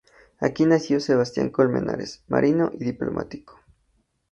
Aquí nació Sebastián de Colmenares, marino y diplomático.